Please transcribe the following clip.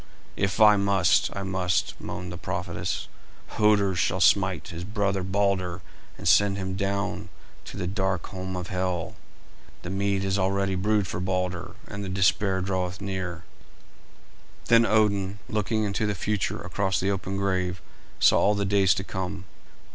"If I must, I must," moaned the prophetess. "Hoder shall smite his brother Balder and send him down to the dark home of Hel. The mead is already brewed for Balder, and the despair draweth near." Then Odin, looking into the future across the open grave, saw all the days to come.